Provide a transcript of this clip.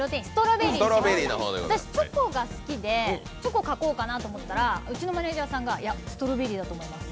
私、チョコが好きでチョコ書こうかなと思ったらうちのマネージャーさんが、「いや、ストロベリーだと思います」。